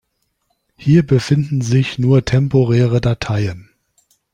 Hier befinden sich nur temporäre Dateien.